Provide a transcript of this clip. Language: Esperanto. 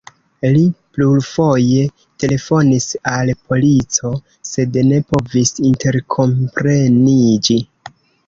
Li plurfoje telefonis al polico, sed ne povis interkompreniĝi.